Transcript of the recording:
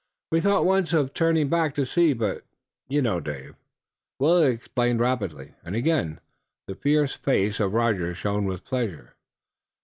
We thought once of turning back to see. But you know, Dave." Willet explained rapidly and again the fierce face of Rogers shone with pleasure.